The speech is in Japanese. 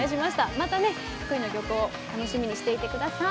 またね福井の漁港楽しみにしていてください。